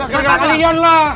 gara gara kalian lah